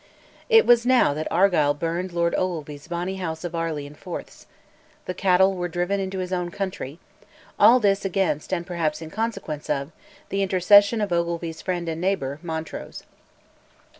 It was now that Argyll burned Lord Ogilvy's Bonny House of Airlie and Forthes; the cattle were driven into his own country; all this against, and perhaps in consequence of, the intercession of Ogilvy's friend and neighbour, Montrose.